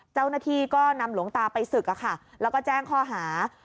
เจ้าหน้าที่ก็นำหลวงตาไปศึกแล้วก็แจ้งข้อหา